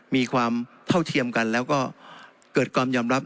มีความเท่าเทียมกันแล้วก็เกิดความยอมรับ